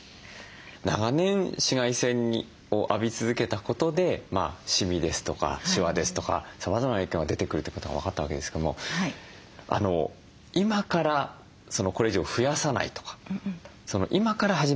長年紫外線を浴び続けたことでシミですとかシワですとかさまざまな影響が出てくるってことが分かったわけですけれども今からこれ以上増やさないとか今から始めるケアで間に合うものでしょうか？